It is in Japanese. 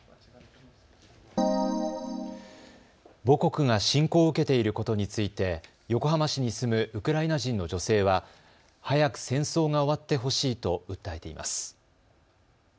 母国が侵攻を受けていることについて横浜市に住むウクライナ人の女性は早く戦争が終わってほしいと訴えています。